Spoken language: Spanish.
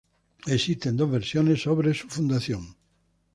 Existen dos versiones sobre su fundación.